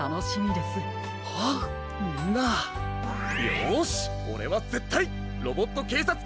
よしオレはぜったいロボットけいさつ